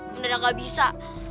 beneran gak bisa